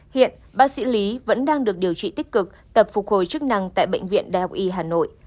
hiện bác sĩ lý vẫn đang được điều trị tích cực tập phục hồi chức năng tại bệnh viện đại học y hà nội